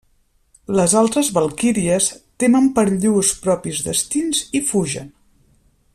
Les altres valquíries temen pels llurs propis destins i fugen.